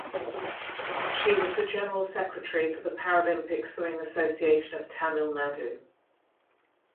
She was the General Secretary for the Paralympic Swimming Association of Tamil Nadu.